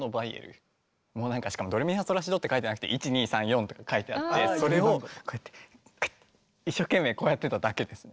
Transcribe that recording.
もうなんかしかもドレミファソラシドって書いてなくて１２３４とか書いてあってそれをこうやって一生懸命こうやってただけですね。